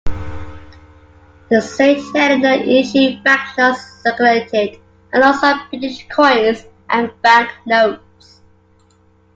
The Saint Helena issued banknotes circulated alongside British coins and banknotes.